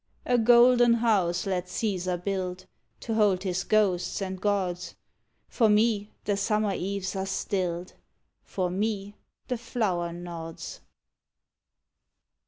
A golden house let Caesar build. To hold his ghosts and gods — For me the summer eves are stilled, For me the flower nods.